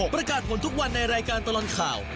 ประกาศผลทุกวันในรายการตลอดข่าว